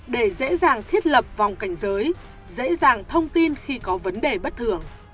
để dễ dàng thiết lập vòng cảnh giới dễ dàng thông tin khi có vấn đề bất thường